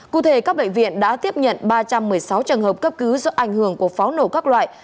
cụ thể các bệnh viện đã tiếp nhận ba trăm một mươi sáu trường hợp cấp cứu do ảnh hưởng của pháo nổ các loại